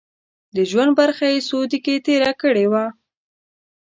د ژوند برخه یې سعودي کې تېره کړې وه.